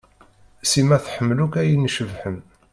Sima tḥemmel akk ayen icebḥen.